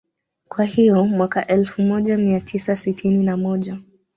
Kwa hiyo Mwaka elfu moja mia tisa sitini na moja